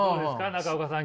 中岡さん